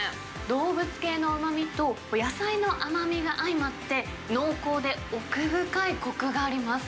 動物系のうまみと野菜の甘みが相まって、濃厚で、奥深いこくがあります。